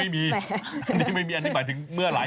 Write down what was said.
ไม่มีอันนี้ไม่มีอันนี้หมายถึงเมื่อไหร